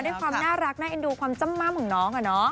ด้วยความน่ารักน่าเอ็นดูความจ้ำม่ำของน้อง